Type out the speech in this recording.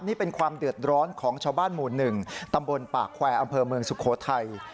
นี่เป็นความเดือดร้อนของชาวบ้านหมู่๑ตำบลปากแควร์อำเภอเมืองสุโขทัย